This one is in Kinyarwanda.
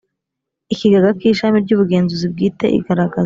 ikigega kishami ryubugenzuzi bwite igaragaza